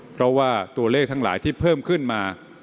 เพราะว่าตัวเลขทั้งหลายที่เพิ่มขึ้นมา